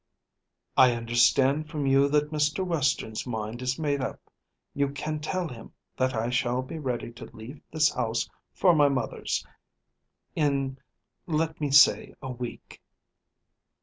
"I understand from you that Mr. Western's mind is made up. You can tell him that I shall be ready to leave this house for my mother's, in let me say a week."